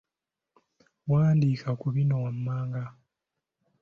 Wandiika ku bino wammanga.